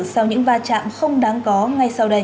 sau những va chạm không đáng có ngay sau đây